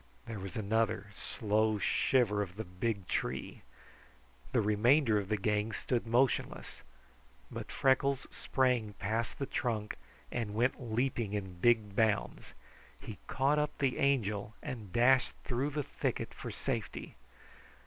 There was another slow shiver of the big tree. The remainder of the gang stood motionless, but Freckles sprang past the trunk and went leaping in big bounds. He caught up the Angel and dashed through the thicket for safety.